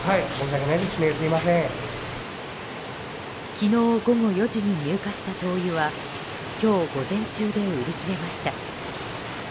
昨日午後４時に入荷した灯油は今日午前中で売り切れました。